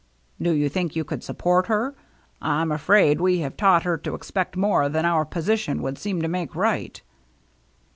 " Do you think you could support her ? I'm afraid we have taught her to expect more than our position would seem to make right."